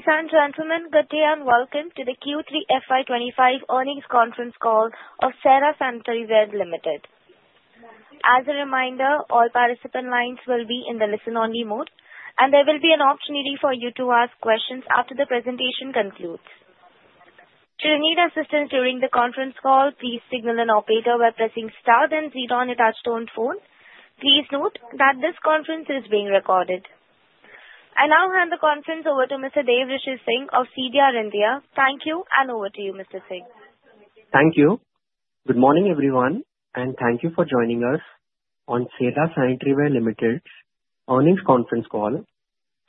Ladies and gentlemen, good day and welcome to The Q3FY25 Earnings Conference Call of Cera Sanitaryware Limited. As a reminder, all participant lines will be in the listen-only mode, and there will be an opportunity for you to ask questions after the presentation concludes. Should you need assistance during the conference call, please signal an operator by pressing star then zero on your touch-tone phone. Please note that this conference is being recorded. I now hand the conference over to Mr. Devrishi Singh of CDR India. Thank you, and over to you, Mr. Singh. Thank you. Good morning, everyone, and thank you for joining us on Cera Sanitaryware Limited's earnings conference call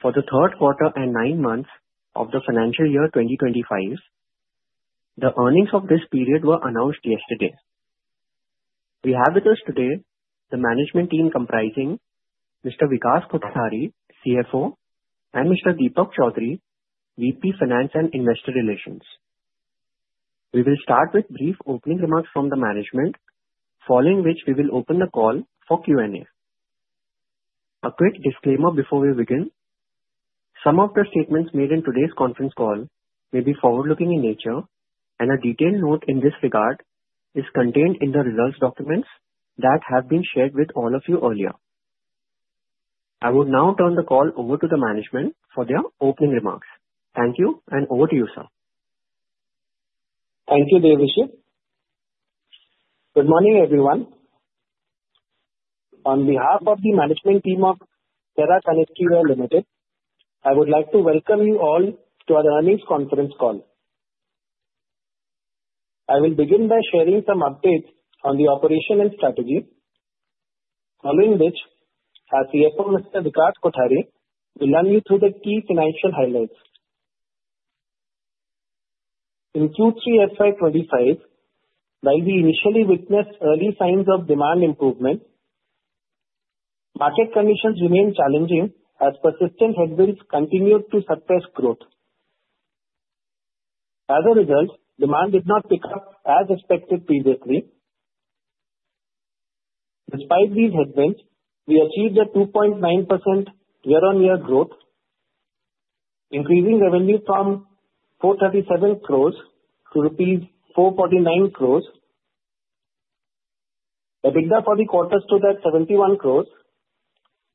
for the Q3 and nine months of the financial year 2025. The earnings of this period were announced yesterday. We have with us today the management team comprising Mr. Vikas Kothari, CFO, and Mr. Deepak Chaudhary, VP Finance and Investor Relations. We will start with brief opening remarks from the management, following which we will open the call for Q&A. A quick disclaimer before we begin: some of the statements made in today's conference call may be forward-looking in nature, and a detailed note in this regard is contained in the results documents that have been shared with all of you earlier. I will now turn the call over to the management for their opening remarks. Thank you, and over to you, sir. Thank you, Devrishi. Good morning, everyone. On behalf of the management team of Cera Sanitaryware Limited, I would like to welcome you all to our earnings conference call. I will begin by sharing some updates on the operation and strategy, following which our CFO, Mr. Vikas Kothari, will run you through the key financial highlights. In Q3FY25, while we initially witnessed early signs of demand improvement, market conditions remained challenging as persistent headwinds continued to suppress growth. As a result, demand did not pick up as expected previously. Despite these headwinds, we achieved a 2.9% year-on-year growth, increasing revenue from 437 crores to rupees 449 crores. EBITDA for the quarter stood at 71 crores,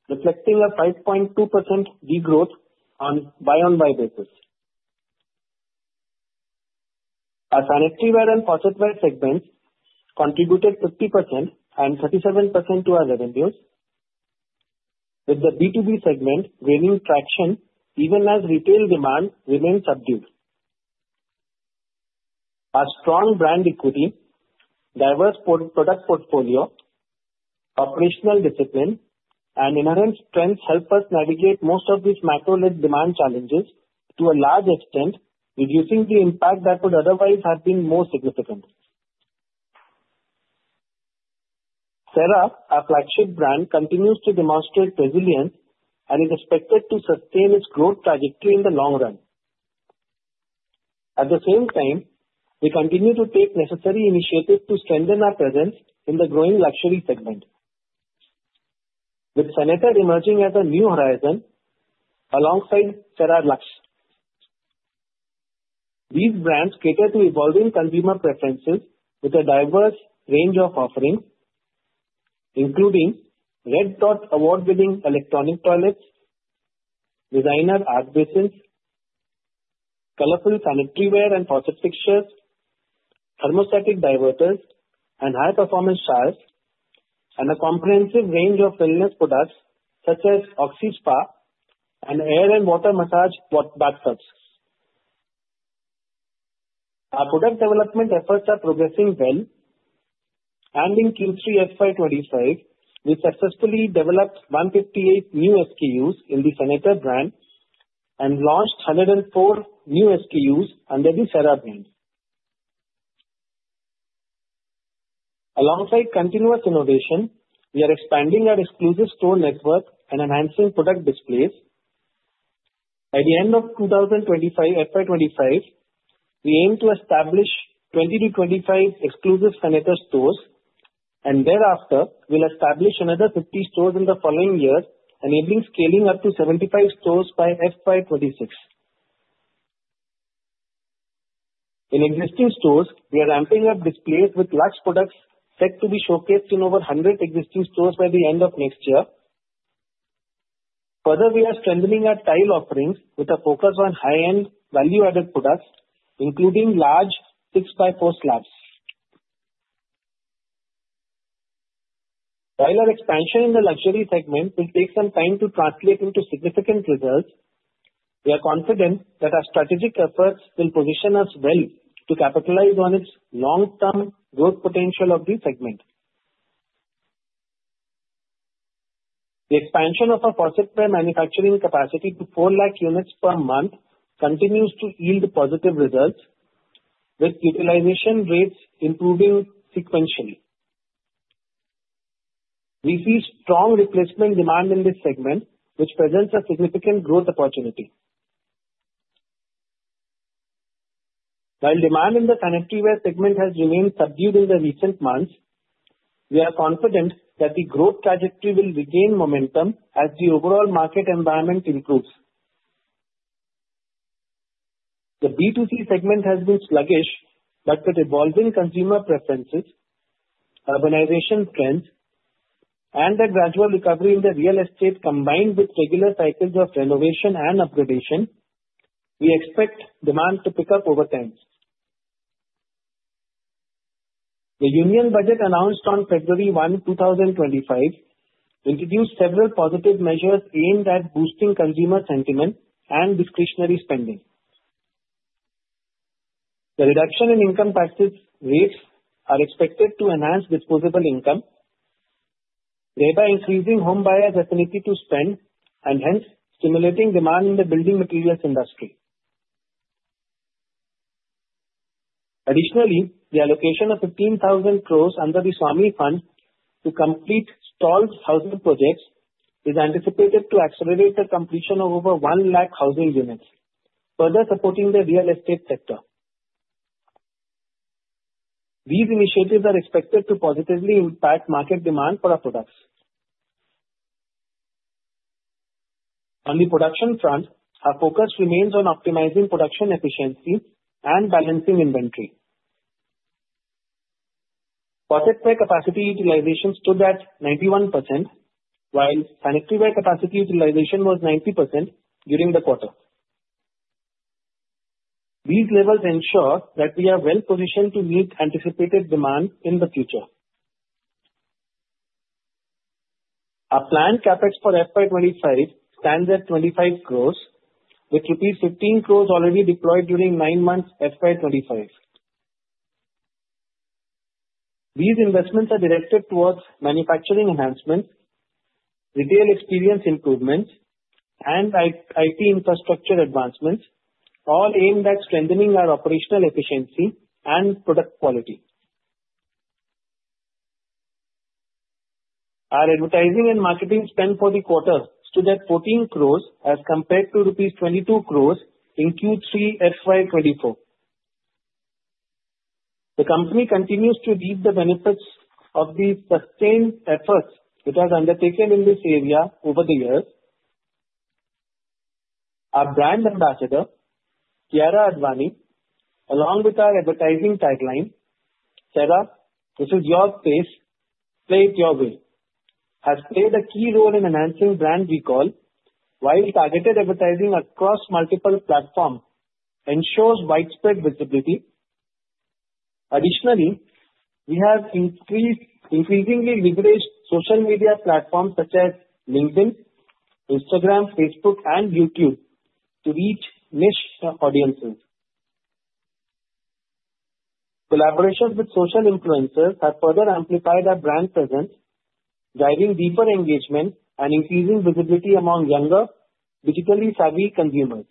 reflecting a 5.2% growth on a YoY basis. Our sanitaryware and faucetware segments contributed 50% and 37% to our revenues, with the B2B segment gaining traction even as retail demand remained subdued. Our strong brand equity, diverse product portfolio, operational discipline, and inherent strengths helped us navigate most of these macro-led demand challenges to a large extent, reducing the impact that would otherwise have been more significant. Cera, our flagship brand, continues to demonstrate resilience and is expected to sustain its growth trajectory in the long run. At the same time, we continue to take necessary initiatives to strengthen our presence in the growing luxury segment, with Senator emerging as a new horizon alongside Cera Luxe. These brands cater to evolving consumer preferences with a diverse range of offerings, including Red Dot Award-winning electronic toilets, designer art basins, colorful sanitaryware and faucet fixtures, thermostatic diverters, and high-performance showers, and a comprehensive range of wellness products such as Oxy Spa and air and water massage bath tubs. Our product development efforts are progressing well. In Q3 FY25, we successfully developed 158 new SKUs in the Senator brand and launched 104 new SKUs under the Cera brand. Alongside continuous innovation, we are expanding our exclusive store network and enhancing product displays. By the end of FY25, we aim to establish 20 to 25 exclusive Senator stores, and thereafter, we'll establish another 50 stores in the following year, enabling scaling up to 75 stores by FY26. In existing stores, we are ramping up displays with luxe products set to be showcased in over 100 existing stores by the end of next year. Further, we are strengthening our tile offerings with a focus on high-end value-added products, including large 6x4 slabs. While our expansion in the luxury segment will take some time to translate into significant results, we are confident that our strategic efforts will position us well to capitalize on its long-term growth potential of the segment. The expansion of our faucetware manufacturing capacity to 4 lakh units per month continues to yield positive results, with utilization rates improving sequentially. We see strong replacement demand in this segment, which presents a significant growth opportunity. While demand in the sanitaryware segment has remained subdued in the recent months, we are confident that the growth trajectory will regain momentum as the overall market environment improves. The B2C segment has been sluggish, but with evolving consumer preferences, urbanization trends, and the gradual recovery in the real estate, combined with regular cycles of renovation and upgradation, we expect demand to pick up over time. The Union Budget announced on February 1, 2025, introduced several positive measures aimed at boosting consumer sentiment and discretionary spending. The reduction in income tax rates is expected to enhance disposable income, thereby increasing home buyers' ability to spend and hence stimulating demand in the building materials industry. Additionally, the allocation of 15,000 crore under the SWAMIH Fund to complete 12 housing projects is anticipated to accelerate the completion of over 1 lakh housing units, further supporting the real estate sector. These initiatives are expected to positively impact market demand for our products. On the production front, our focus remains on optimizing production efficiency and balancing inventory. Faucetware capacity utilization stood at 91%, while sanitaryware capacity utilization was 90% during the quarter. These levels ensure that we are well-positioned to meet anticipated demand in the future. Our planned Capex for FY25 stands at 25 crores, with ₹15 crores already deployed during nine months FY25. These investments are directed towards manufacturing enhancements, retail experience improvements, and IT infrastructure advancements, all aimed at strengthening our operational efficiency and product quality. Our advertising and marketing spend for the quarter stood at ₹14 crores as compared to ₹22 crores in Q3FY24. The company continues to reap the benefits of the sustained efforts it has undertaken in this area over the years. Our brand ambassador, Kiara Advani, along with our advertising tagline, "Cera, this is your space, play it your way," has played a key role in enhancing brand recall, while targeted advertising across multiple platforms ensures widespread visibility. Additionally, we have increasingly leveraged social media platforms such as LinkedIn, Instagram, Facebook, and YouTube to reach niche audiences. Collaborations with social influencers have further amplified our brand presence, driving deeper engagement and increasing visibility among younger, digitally savvy consumers.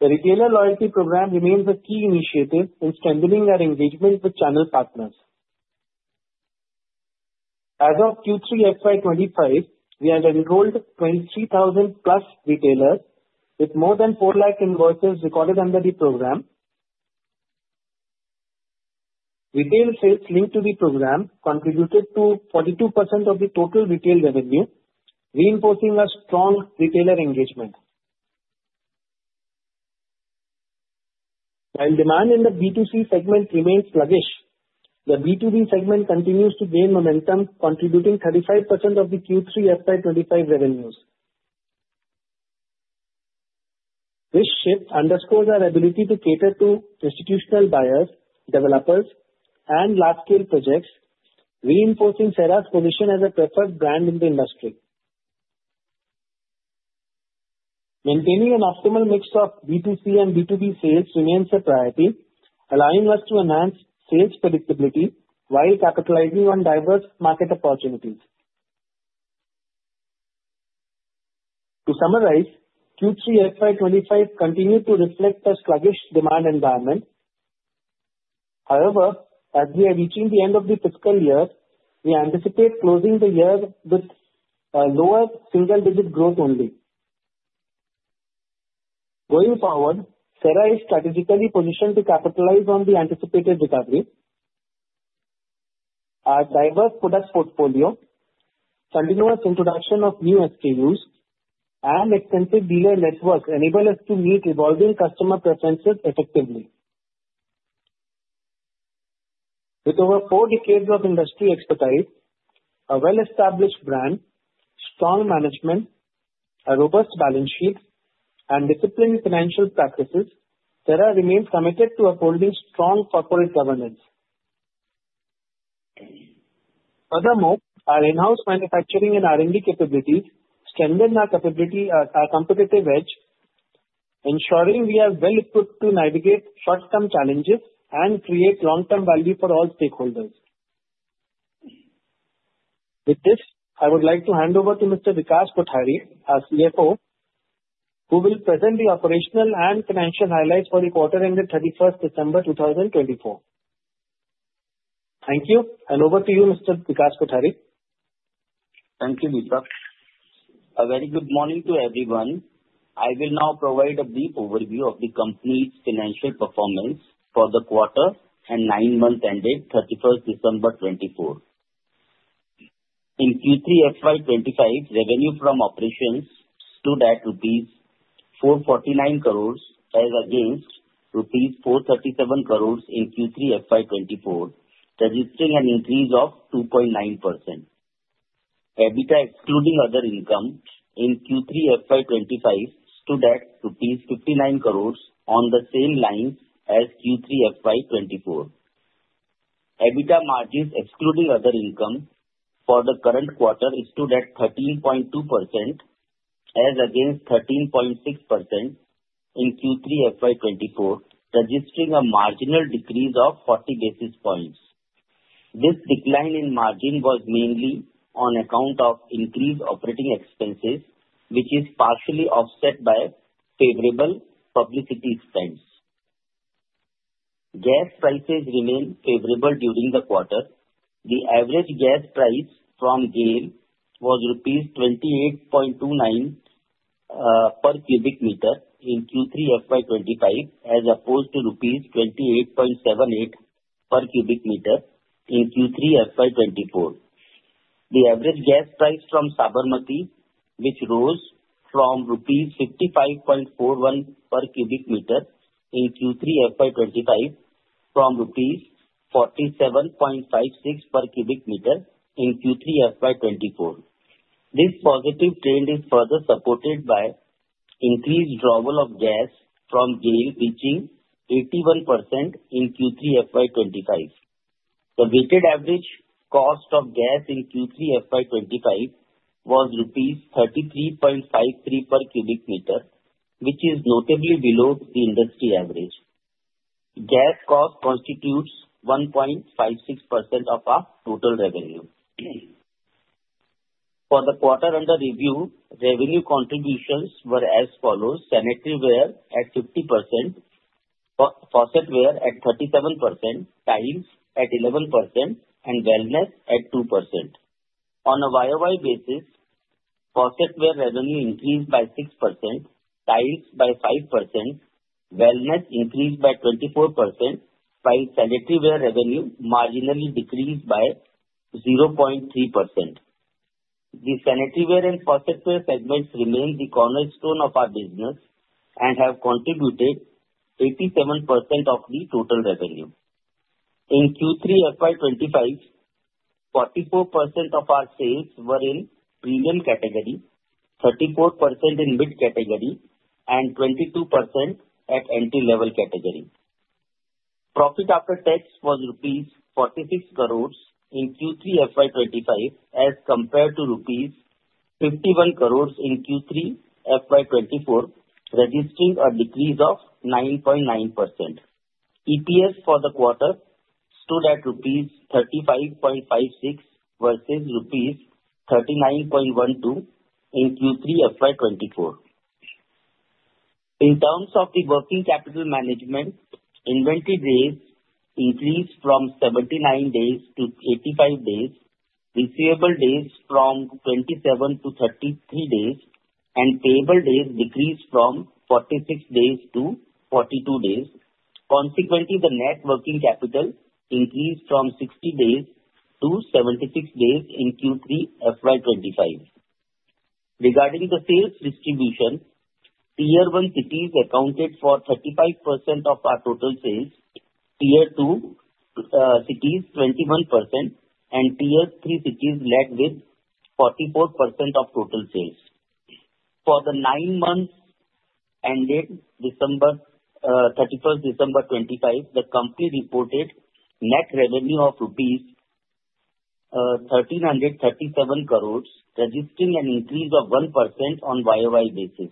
The retailer loyalty program remains a key initiative in strengthening our engagement with channel partners. As of Q3FY25, we have enrolled 23,000-plus retailers, with more than 4 lakh invoices recorded under the program. Retail sales linked to the program contributed to 42% of the total retail revenue, reinforcing our strong retailer engagement. While demand in the B2C segment remains sluggish, the B2B segment continues to gain momentum, contributing 35% of the Q3FY25 revenues. This shift underscores our ability to cater to institutional buyers, developers, and large-scale projects, reinforcing Cera's position as a preferred brand in the industry. Maintaining an optimal mix of B2C and B2B sales remains a priority, allowing us to enhance sales predictability while capitalizing on diverse market opportunities. To summarize, Q3FY25 continued to reflect a sluggish demand environment. However, as we are reaching the end of the fiscal year, we anticipate closing the year with lower single-digit growth only. Going forward, Cera is strategically positioned to capitalize on the anticipated recovery. Our diverse product portfolio, continuous introduction of new SKUs, and extensive dealer networks enable us to meet evolving customer preferences effectively. With over four decades of industry expertise, a well-established brand, strong management, a robust balance sheet, and disciplined financial practices, Cera remains committed to upholding strong corporate governance. Furthermore, our in-house manufacturing and R&D capabilities strengthen our competitive edge, ensuring we are well-equipped to navigate short-term challenges and create long-term value for all stakeholders. With this, I would like to hand over to Mr. Vikas Kothari, our CFO, who will present the operational and financial highlights for the quarter ended 31st December 2024. Thank you, and over to you, Mr. Vikas Kothari. Thank you, Deepak. A very good morning to everyone. I will now provide a brief overview of the company's financial performance for the quarter and nine-month period ended 31st December 2024. In Q3FY25, revenue from operations stood at ₹449 crores as against ₹437 crores in Q3FY24, registering an increase of 2.9%. EBITDA excluding other income in Q3FY25 stood at ₹59 crores on the same line as Q3FY24. EBITDA margins excluding other income for the current quarter stood at 13.2% as against 13.6% in Q3FY24, registering a marginal decrease of 40 basis points. This decline in margin was mainly on account of increased operating expenses, which is partially offset by favorable publicity spends. Gas prices remained favorable during the quarter. The average gas price from GAIL was ₹28.29 per cubic meter in Q3FY25, as opposed to ₹28.78 per cubic meter in Q3FY24. The average gas price from Sabarmati, which rose to rupees 55.41 per cubic meter in Q3FY25 from rupees 47.56 per cubic meter in Q3FY24. This positive trend is further supported by increased drawals of gas from GAIL, reaching 81% in Q3FY25. The weighted average cost of gas in Q3FY25 was rupees 33.53 per cubic meter, which is notably below the industry average. Gas cost constitutes 1.56% of our total revenue. For the quarter under review, revenue contributions were as follows: sanitaryware at 50%, faucetware at 37%, tiles at 11%, and wellness at 2%. On a YOY basis, faucetware revenue increased by 6%, tiles by 5%, wellness increased by 24%, while sanitaryware revenue marginally decreased by 0.3%. The sanitaryware and faucetware segments remain the cornerstone of our business and have contributed 87% of the total revenue. In Q3FY25, 44% of our sales were in premium category, 34% in mid category, and 22% at entry-level category. Profit after tax was rupees 46 crores in Q3FY25 as compared to rupees 51 crores in Q3FY24, registering a decrease of 9.9%. EPS for the quarter stood at rupees 35.56 versus rupees 39.12 in Q3FY24. In terms of the working capital management, inventory days increased from 79 days to 85 days, receivable days from 27 to 33 days, and payable days decreased from 46 days to 42 days. Consequently, the net working capital increased from 60 days to 76 days in Q3FY25. Regarding the sales distribution, Tier 1 cities accounted for 35% of our total sales, Tier 2 cities 21%, and Tier 3 cities lagged with 44% of total sales. For the nine months ended 31st December 2024, the company reported net revenue of rupees 1,337 crores, registering an increase of 1% on YOY basis.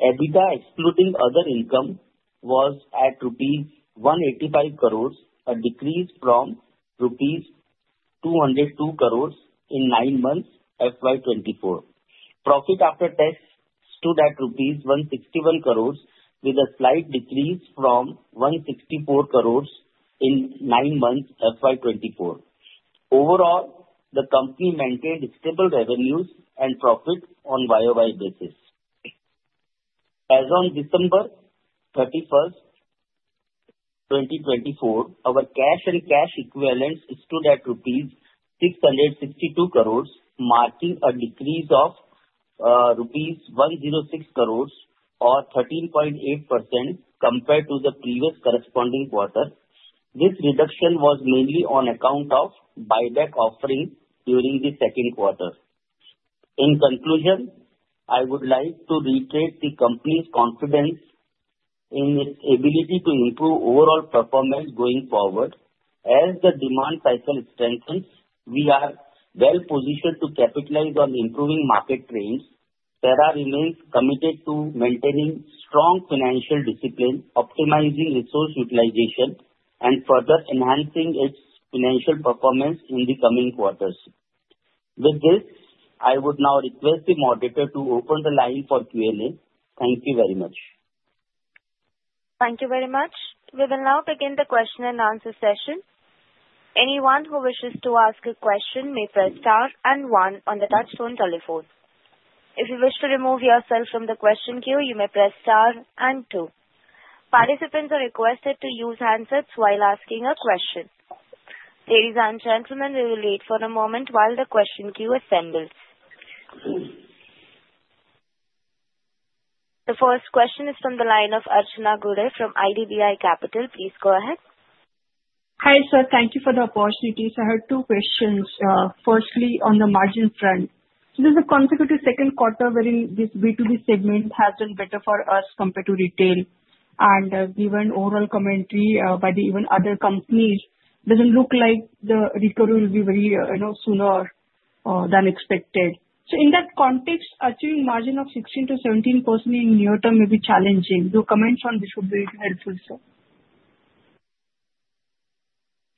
EBITDA excluding other income was at rupees 185 crores, a decrease from rupees 202 crores in nine months FY24. Profit after tax stood at rupees 161 crores, with a slight decrease from 164 crores in nine months FY24. Overall, the company maintained stable revenues and profit on YOY basis. As of December 31, 2024, our cash and cash equivalents stood at rupees 662 crores, marking a decrease of rupees 106 crores, or 13.8% compared to the previous corresponding quarter. This reduction was mainly on account of buyback offering during the Q2. In conclusion, I would like to reiterate the company's confidence in its ability to improve overall performance going forward. As the demand cycle strengthens, we are well-positioned to capitalize on improving market trends. Cera remains committed to maintaining strong financial discipline, optimizing resource utilization, and further enhancing its financial performance in the coming quarters. With this, I would now request the moderator to open the line for Q&A. Thank you very much. Thank you very much. We will now begin the question and answer session. Anyone who wishes to ask a question may press star and one on the touch-tone telephone. If you wish to remove yourself from the question queue, you may press star and two. Participants are requested to use handsets while asking a question. Ladies and gentlemen, we will wait for a moment while the question queue assembles. The first question is from the line of Archana Gude from IDBI Capital. Please go ahead. Hi, sir. Thank you for the opportunity. I have two questions. Firstly, on the margin front, this is a consecutive Q2 wherein this B2B segment has done better for us compared to retail. And given overall commentary by the even other companies, it doesn't look like the recovery will be very sooner than expected. So in that context, achieving margin of 16%-17% in near-term may be challenging. Your comments on this would be very helpful, sir.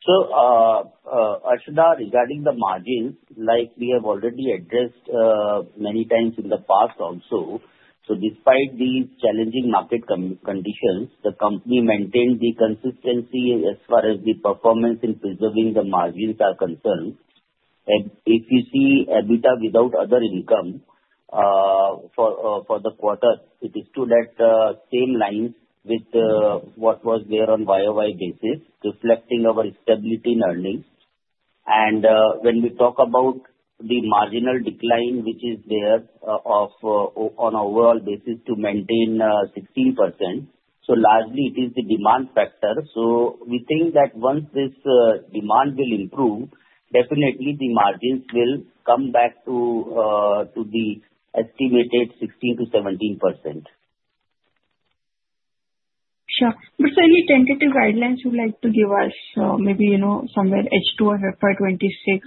So Archana, regarding the margins, like we have already addressed many times in the past also, so despite these challenging market conditions, the company maintained the consistency as far as the performance in preserving the margins are concerned. If you see EBITDA without other income for the quarter, it stood at the same line with what was there on YOY basis, reflecting our stability in earnings. And when we talk about the marginal decline, which is there on an overall basis to maintain 16%, so largely it is the demand factor. So we think that once this demand will improve, definitely the margins will come back to the estimated 16%-17%. Sure. What are any tentative guidelines you'd like to give us? Maybe somewhere edge to FY26,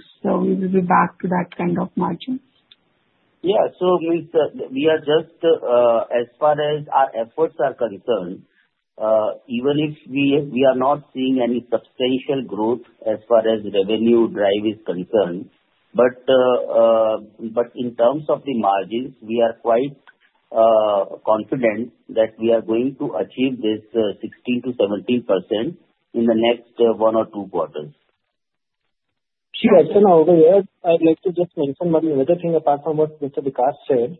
we will be back to that kind of margin. Yeah. So we are just, as far as our efforts are concerned, even if we are not seeing any substantial growth as far as revenue drive is concerned, but in terms of the margins, we are quite confident that we are going to achieve this 16%-17% in the next one or two quarters. Sure. So now over here, I'd like to just mention one other thing apart from what Mr. Vikas said.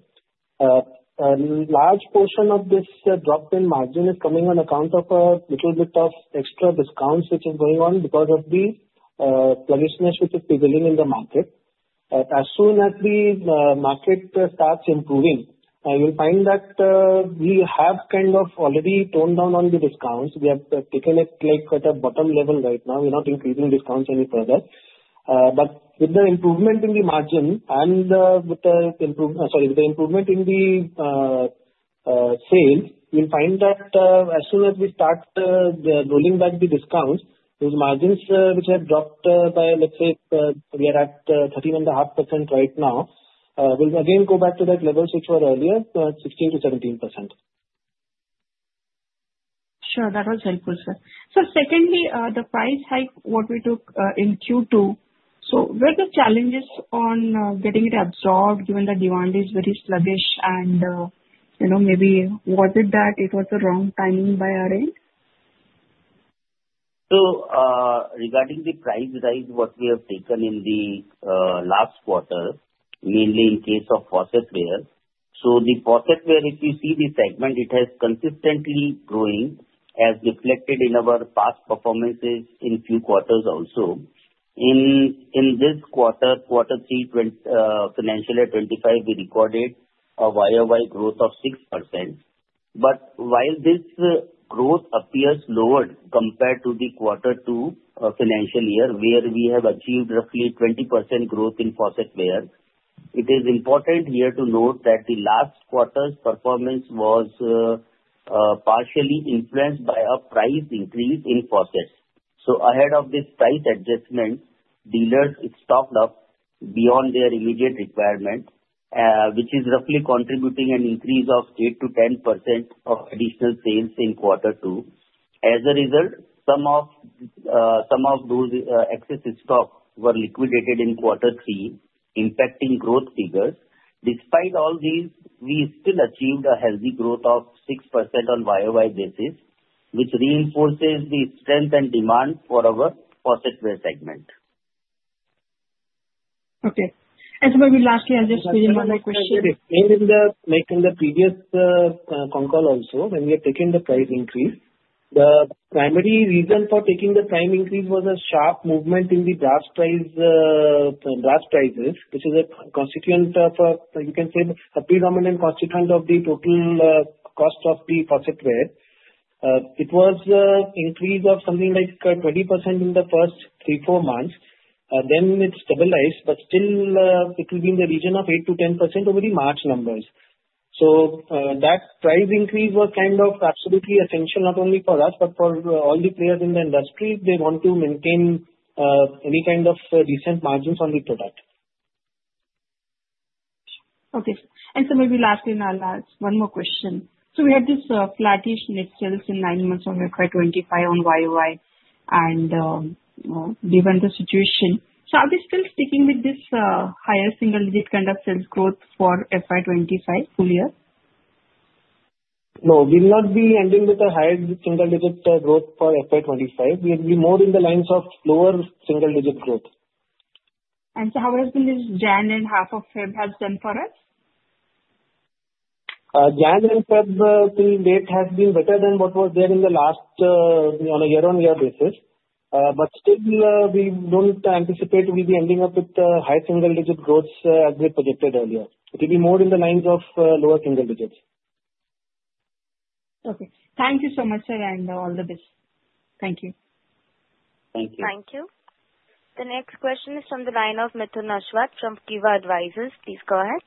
A large portion of this drop in margin is coming on account of a little bit of extra discounts which are going on because of the sluggishness which is prevailing in the market. As soon as the market starts improving, you'll find that we have kind of already toned down on the discounts. We have taken it like at a bottom level right now. We're not increasing discounts any further. But with the improvement in the margin and with the improvement in the sales, you'll find that as soon as we start rolling back the discounts, those margins which have dropped by, let's say, we are at 13.5% right now, will again go back to that level which were earlier, 16%-17%. Sure. That was helpful, sir. So secondly, the price hike what we took in Q2, so were there challenges on getting it absorbed given that demand is very sluggish? And maybe was it that it was the wrong timing by our end? Regarding the price hike, what we have taken in the last quarter, mainly in case of faucetware, the faucetware, if you see the segment, it has consistently growing as reflected in our past performances in few quarters also. In this quarter, quarter three, financial year 2025, we recorded a YOY growth of 6%. While this growth appears lowered compared to the quarter two financial year where we have achieved roughly 20% growth in faucetware, it is important here to note that the last quarter's performance was partially influenced by a price increase in faucets. Ahead of this price adjustment, dealers stocked up beyond their immediate requirement, which is roughly contributing an increase of 8%-10% of additional sales in quarter two. As a result, some of those excess stock were liquidated in quarter three, impacting growth figures. Despite all these, we still achieved a healthy growth of 6% on YOY basis, which reinforces the strength and demand for our faucetware segment. Okay. And so maybe lastly, I'll just finish my question. If you may remember, like in the previous phone call also, when we had taken the price increase, the primary reason for taking the price increase was a sharp movement in the brass prices, which is a constituent of, you can say, a predominant constituent of the total cost of the faucetware. It was an increase of something like 20% in the first three, four months. Then it stabilized, but still it will be in the region of 8%-10% over the March numbers. So that price increase was kind of absolutely essential not only for us, but for all the players in the industry if they want to maintain any kind of decent margins on the product. Okay. And so maybe lastly, now last one more question. So we had this flattish net sales in nine months of FY25 on YOY, and given the situation, so are we still sticking with this higher single-digit kind of sales growth for FY25 full year? No, we will not be ending with a higher single-digit growth for FY25. We will be more in the lines of lower single-digit growth. How has the January and half of February has done for us? January and February till date has been better than what was there in the last on a year-on-year basis. But still, we don't anticipate we'll be ending up with high single-digit growth as we predicted earlier. It will be more in the lines of lower single digits. Okay. Thank you so much, sir, and all the best. Thank you. Thank you. Thank you. The next question is from the line of Mithun Aswath from Kivah Advisors. Please go ahead.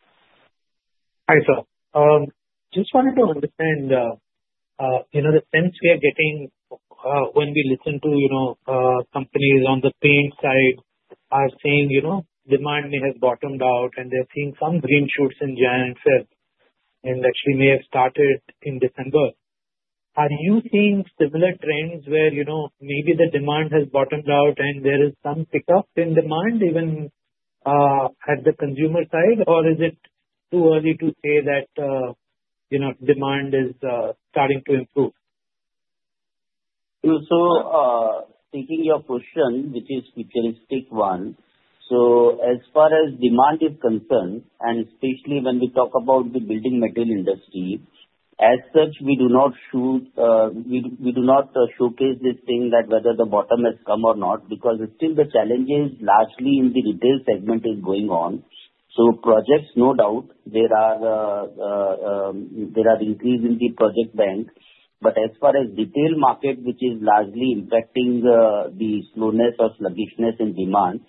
Hi, sir. Just wanted to understand the sense we are getting when we listen to companies on the paint side are saying demand may have bottomed out, and they're seeing some green shoots in January and February, and actually may have started in December. Are you seeing similar trends where maybe the demand has bottomed out and there is some pickup in demand even at the consumer side, or is it too early to say that demand is starting to improve? So, speaking to your question, which is futuristic one, so as far as demand is concerned, and especially when we talk about the building material industry, as such, we do not showcase this thing that whether the bottom has come or not because still the challenge is largely in the retail segment is going on. So, projects, no doubt, there are increases in the project bank. But as far as retail market, which is largely impacting the slowness or sluggishness in demand,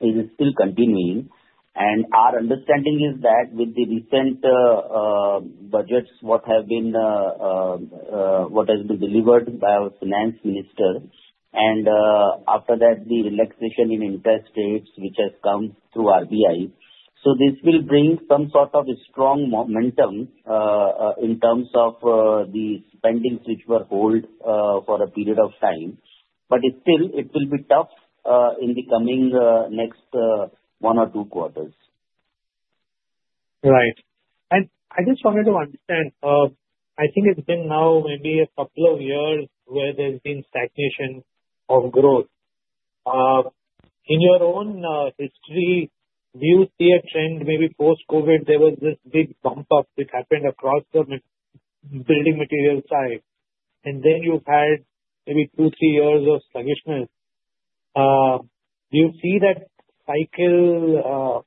it is still continuing. And our understanding is that with the recent budgets what has been delivered by our finance minister, and after that, the relaxation in interest rates which has come through RBI, so this will bring some sort of strong momentum in terms of the spendings which were hold for a period of time. But still, it will be tough in the coming next one or two quarters. Right. I just wanted to understand. I think it's been now maybe a couple of years where there's been stagnation of growth. In your own history, you see a trend maybe post-COVID. There was this big bump up which happened across the building material side. Then you've had maybe two, three years of sluggishness. Do you see that cycle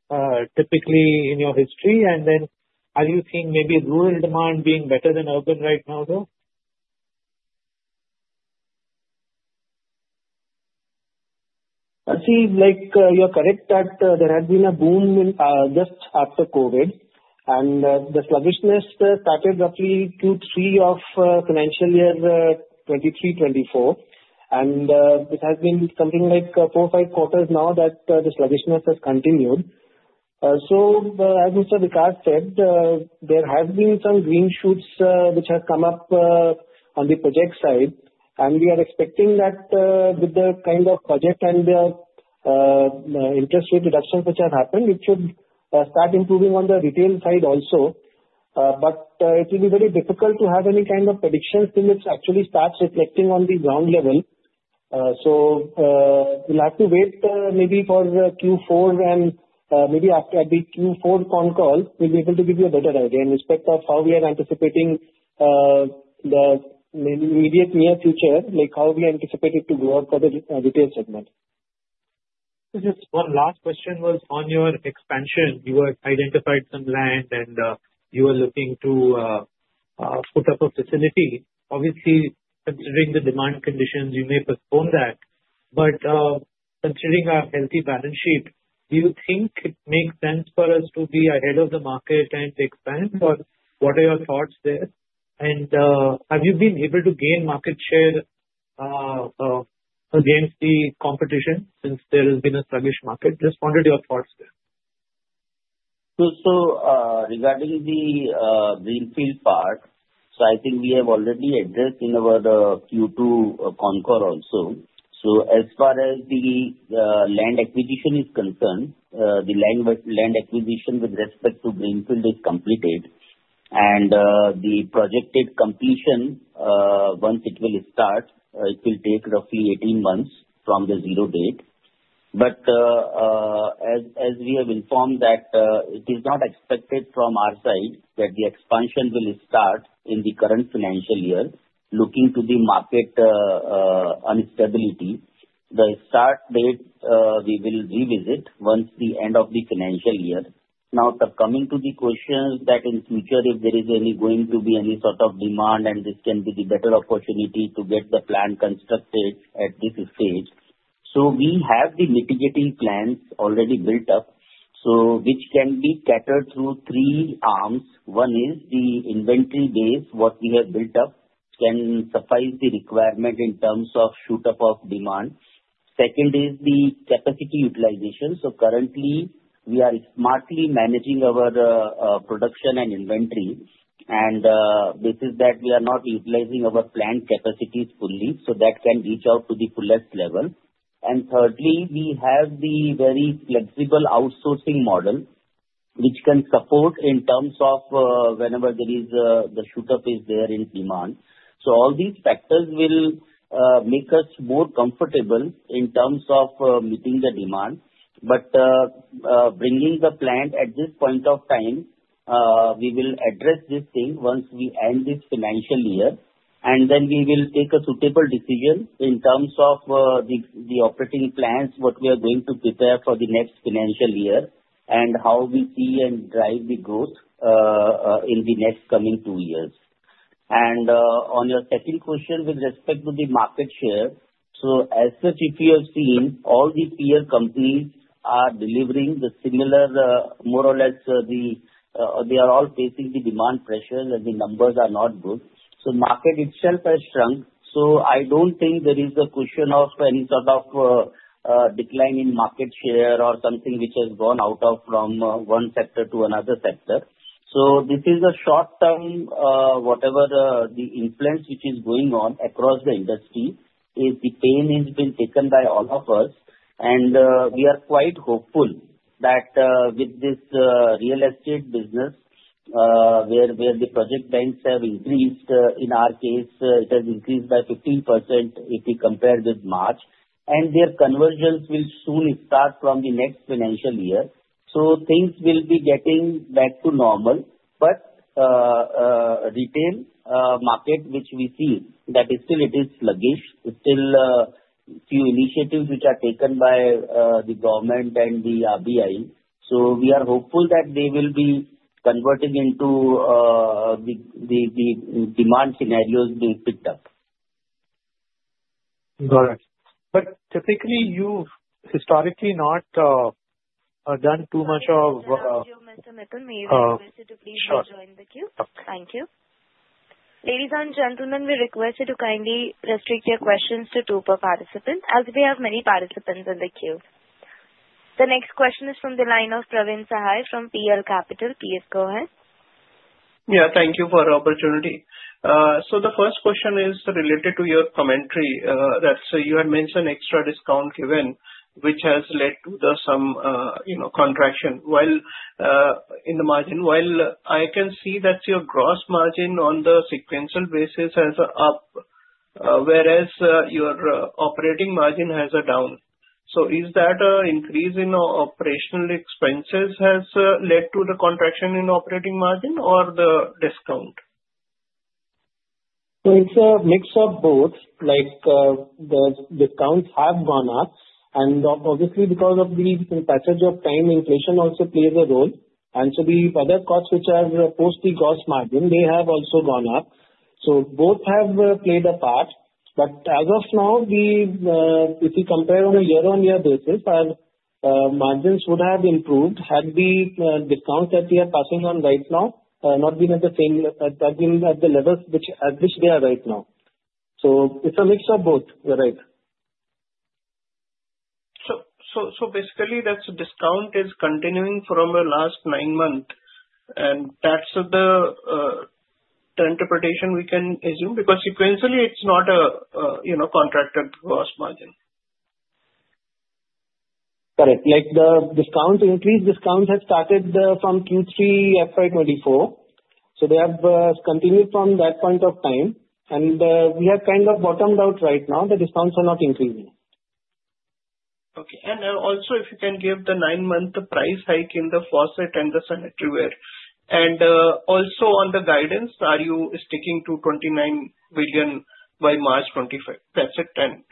typically in your history? And then are you seeing maybe rural demand being better than urban right now, sir? I see you're correct that there has been a boom just after COVID. And the sluggishness started roughly two, three of financial year 2023, 2024. And it has been something like four, five quarters now that the sluggishness has continued. So as Mr. Vikas said, there have been some green shoots which have come up on the project side. We are expecting that with the kind of project and the interest rate reductions which have happened, it should start improving on the retail side also. It will be very difficult to have any kind of predictions till it actually starts reflecting on the ground level. We'll have to wait maybe for Q4, and maybe at the Q4 phone call, we'll be able to give you a better idea in respect of how we are anticipating the immediate near future, like how we anticipate it to grow up for the retail segment. Just one last question was on your expansion. You had identified some land, and you were looking to put up a facility. Obviously, considering the demand conditions, you may postpone that. But considering our healthy balance sheet, do you think it makes sense for us to be ahead of the market and expand? Or what are your thoughts there? And have you been able to gain market share against the competition since there has been a sluggish market? Just wanted your thoughts there. Regarding the greenfield part, I think we have already addressed in our Q2 concall also. As far as the land acquisition is concerned, the land acquisition with respect to greenfield is completed. And the projected completion, once it will start, it will take roughly 18 months from the zero date. But as we have informed, it is not expected from our side that the expansion will start in the current financial year, looking to the market instability. The start date we will revisit once the end of the financial year. Now, coming to the question that in future, if there is any going to be any sort of demand, and this can be the better opportunity to get the plant constructed at this stage. We have the mitigating plans already built up, which can be catered through three arms. One is the inventory base what we have built up, which can suffice the requirement in terms of shoot-up of demand. Second is the capacity utilization. Currently, we are smartly managing our production and inventory, and this is that we are not utilizing our plant capacities fully, so that can reach out to the fullest level. And thirdly, we have the very flexible outsourcing model, which can support in terms of whenever there is the shoot-up is there in demand. So all these factors will make us more comfortable in terms of meeting the demand. But bringing the plant at this point of time, we will address this thing once we end this financial year. And then we will take a suitable decision in terms of the operating plans, what we are going to prepare for the next financial year, and how we see and drive the growth in the next coming two years. And on your second question with respect to the market share, so as such, if you have seen, all the peer companies are delivering the similar, more or less, they are all facing the demand pressures, and the numbers are not good. So market itself has shrunk. So, I don't think there is a question of any sort of decline in market share or something which has gone out of from one sector to another sector. So, this is a short-term, whatever the influence which is going on across the industry, is the pain has been taken by all of us. And we are quite hopeful that with this real estate business, where the project launches have increased, in our case, it has increased by 15% if we compare with March. And their construction will soon start from the next financial year. So, things will be getting back to normal. But retail market, which we see that still it is sluggish, still a few initiatives which are taken by the government and the RBI. So, we are hopeful that they will be converting into the demand scenarios they picked up. Got it. But typically, you've historically not done too much of. Thank you, Mr. Mithun. May I request you to please join the queue? Sure. Thank you. Ladies and gentlemen, we request you to kindly restrict your questions to two per participant, as we have many participants in the queue. The next question is from the line of Praveen from PL Capital. Please go ahead. Yeah. Thank you for the opportunity. So the first question is related to your commentary. So you had mentioned extra discount given, which has led to some contraction in the margin. While I can see that your gross margin on the sequential basis has up, whereas your operating margin has a down. So is that increase in operational expenses has led to the contraction in operating margin or the discount? So it's a mix of both. The discounts have gone up. And obviously, because of the passage of time, inflation also plays a role. And so the other costs which are post the gross margin, they have also gone up. So both have played a part. But as of now, if you compare on a year-on-year basis, our margins would have improved had the discounts that we are passing on right now not been at the same level at which they are right now. So it's a mix of both. You're right. So basically, that's a discount is continuing from the last nine months. And that's the interpretation we can assume because sequentially, it's not a contracted gross margin. Correct. The increased discounts have started from Q3 FY24. So they have continued from that point of time. And we have kind of bottomed out right now. The discounts are not increasing. Okay. And also, if you can give the nine-month price hike in the faucet and the sanitaryware. And also on the guidance, are you sticking to 29 billion by March 2025? That's it, and.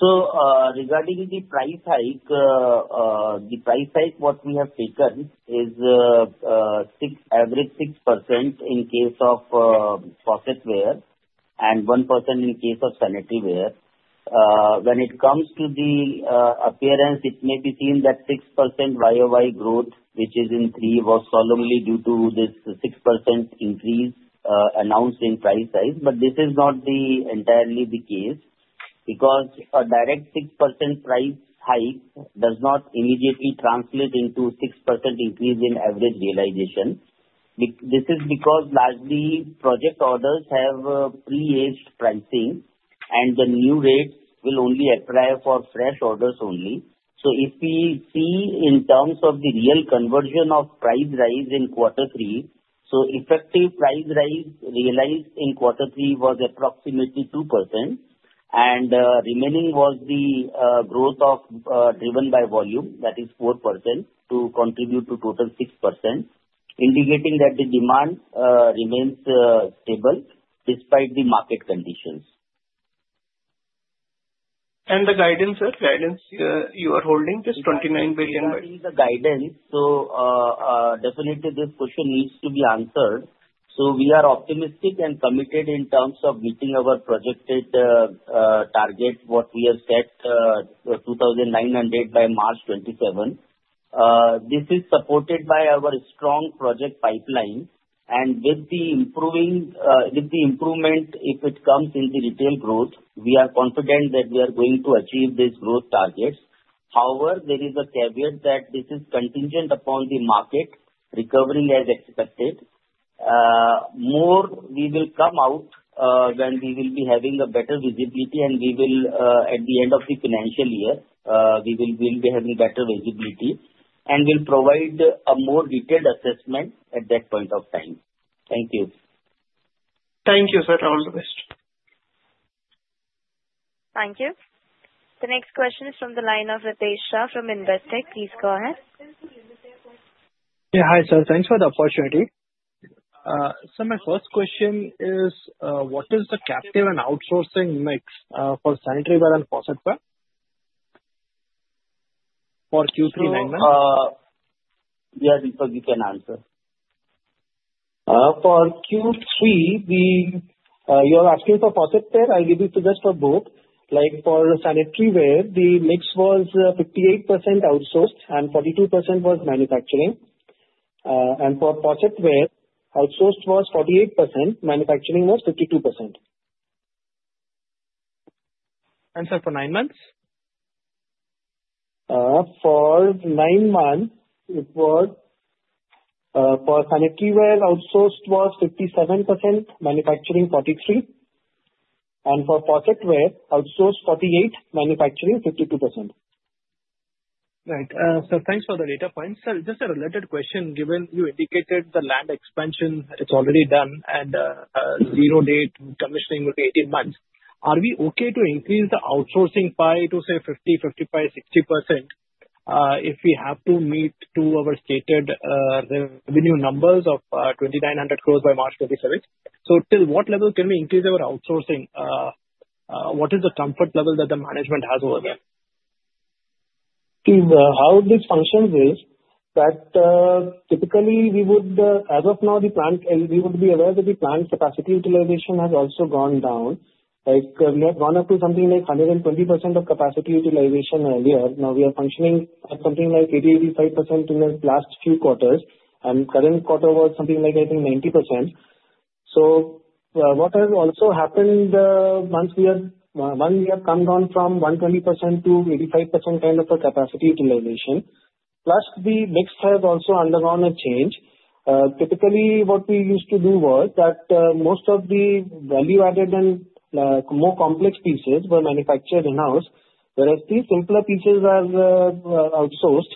Regarding the price hike, the price hike what we have taken is average 6% in case of faucetware and 1% in case of sanitaryware. When it comes to the appearance, it may be seen that 6% YOY growth, which is in Q3, was solely due to this 6% increase announced in price hike. But this is not entirely the case because a direct 6% price hike does not immediately translate into 6% increase in average realization. This is because largely project orders have pre-agreed pricing, and the new rates will only apply for fresh orders only. If we see in terms of the real conversion of price rise in quarter three, effective price rise realized in quarter three was approximately 2%. Remaining was the growth driven by volume, that is 4%, to contribute to total 6%, indicating that the demand remains stable despite the market conditions. The guidance, sir? Guidance you are holding is 29 billion. Guidance. So definitely this question needs to be answered. So we are optimistic and committed in terms of meeting our projected target, what we have set, 2,900 by March 2027. This is supported by our strong project pipeline. And with the improvement, if it comes in the retail growth, we are confident that we are going to achieve these growth targets. However, there is a caveat that this is contingent upon the market recovering as expected. More we will come out when we will be having a better visibility, and we will, at the end of the financial year, we will be having better visibility and will provide a more detailed assessment at that point of time. Thank you. Thank you, sir. All the best. Thank you. The next question is from the line of Ritesh Shah from Investec. Please go ahead. Yeah. Hi, sir. Thanks for the opportunity. So my first question is, what is the captive and outsourcing mix for sanitaryware and faucetware for Q3 nine months? Yeah, because you can answer. For Q3, you're asking for faucetware? I'll give you suggestion for both. For sanitaryware, the mix was 58% outsourced and 42% was manufacturing. And for faucetware, outsourced was 48%, manufacturing was 52%. Sir, for nine months? For nine months, it was for sanitaryware, outsourced was 57%, manufacturing 43%, and for faucetware, outsourced 48%, manufacturing 52%. Right. So thanks for the data points. Just a related question. You indicated the land expansion, it's already done, and zero-date commissioning will be 18 months. Are we okay to increase the outsourcing pie to, say, 50%, 55%, 60% if we have to meet to our stated revenue numbers of 2,900 crores by March 2027? So till what level can we increase our outsourcing? What is the comfort level that the management has over there? How this functions is that typically, as of now, we would be aware that the plant capacity utilization has also gone down. We had gone up to something like 120% of capacity utilization earlier. Now we are functioning at something like 80-85% in the last few quarters. And current quarter was something like, I think, 90%. So what has also happened once we have come down from 120% to 85% kind of a capacity utilization? Plus, the mix has also undergone a change. Typically, what we used to do was that most of the value-added and more complex pieces were manufactured in-house, whereas the simpler pieces are outsourced.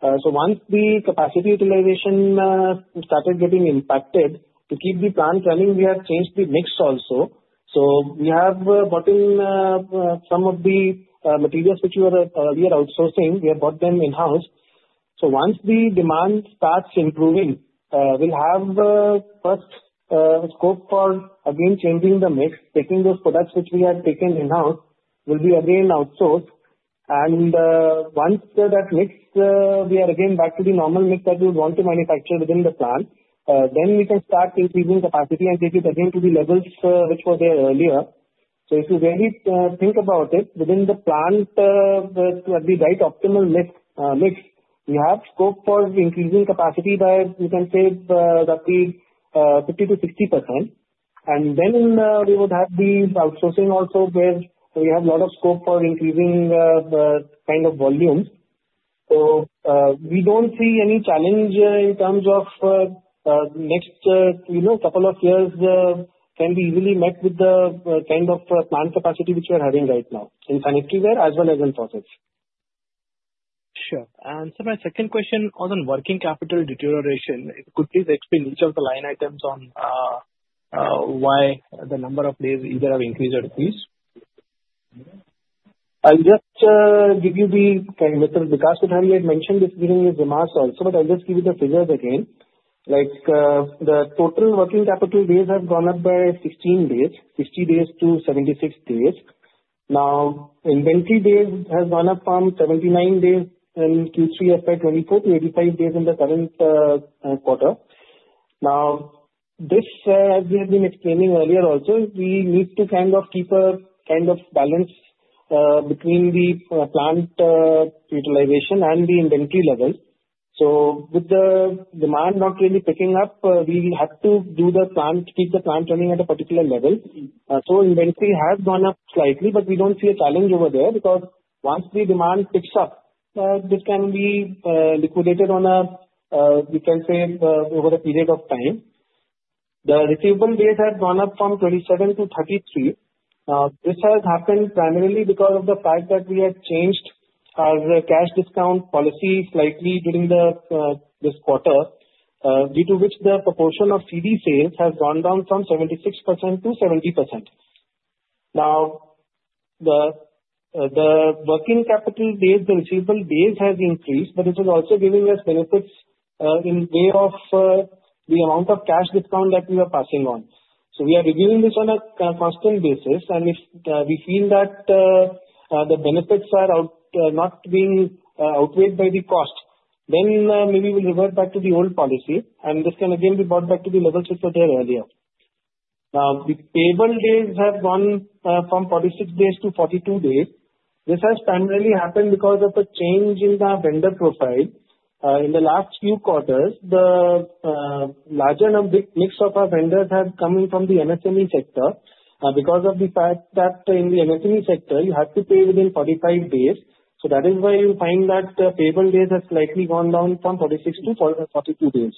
So once the capacity utilization started getting impacted, to keep the plant running, we have changed the mix also. So we have bought in some of the materials which we were outsourcing. We have bought them in-house. So once the demand starts improving, we'll have first scope for again changing the mix, taking those products which we have taken in-house, will be again outsourced. And once that mix, we are again back to the normal mix that we want to manufacture within the plant, then we can start increasing capacity and take it again to the levels which were there earlier. So if you really think about it, within the plant, the right optimal mix, we have scope for increasing capacity by, you can say, roughly 50%-60%. And then we would have the outsourcing also where we have a lot of scope for increasing kind of volumes. So we don't see any challenge in terms of next couple of years can be easily met with the kind of plant capacity which we are having right now in sanitaryware as well as in faucets. Sure. And so my second question was on working capital deterioration. Could you please explain each of the line items on why the number of days either have increased or decreased? I'll just give you the with the Vikas today. He had mentioned this during his remarks also, but I'll just give you the figures again. The total working capital days have gone up by 16 days, 60 days to 76 days. Now, inventory days have gone up from 79 days in Q3 FY24 to 85 days in the current quarter. Now, this, as we have been explaining earlier also, we need to kind of keep a kind of balance between the plant utilization and the inventory level. So with the demand not really picking up, we have to keep the plant running at a particular level. So inventory has gone up slightly, but we don't see a challenge over there because once the demand picks up, this can be liquidated on a, you can say, over a period of time. The receivable days have gone up from 27 to 33. This has happened primarily because of the fact that we have changed our cash discount policy slightly during this quarter, due to which the proportion of CD sales has gone down from 76% to 70%. Now, the working capital days, the receivable days have increased, but it is also giving us benefits in way of the amount of cash discount that we are passing on, so we are reviewing this on a constant basis, and if we feel that the benefits are not being outweighed by the cost, then maybe we'll revert back to the old policy, and this can again be brought back to the levels which were there earlier. Now, the payable days have gone from 46 days to 42 days. This has primarily happened because of a change in the vendor profile. In the last few quarters, the larger mix of our vendors have come in from the MSME sector because of the fact that in the MSME sector, you have to pay within 45 days. So that is why you find that the payable days have slightly gone down from 46-42 days.